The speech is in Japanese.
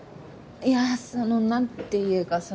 いやその何て言うかその。